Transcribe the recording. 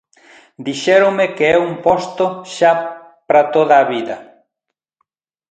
Dixéronme que é un posto xa para toda a vida.